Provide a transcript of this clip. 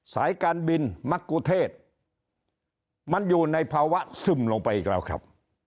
สายการบินมะกุเทศมันอยู่ในภาวะซึมลงไปอีกแล้วครับ